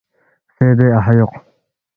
فے بے اَہا یوق